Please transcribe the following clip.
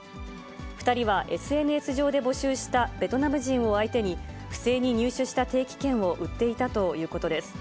２人はＳＮＳ上で募集したベトナム人を相手に、不正に入手した定期券を売っていたということです。